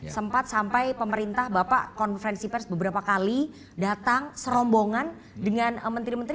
sempat sampai pemerintah bapak konferensi pers beberapa kali datang serombongan dengan menteri menteri